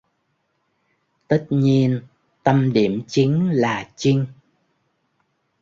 Tất nhiên tâm điểm chính là chinh